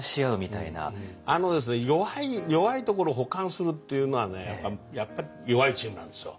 あのですね弱いところを補完するっていうのはねやっぱり弱いチームなんですよ。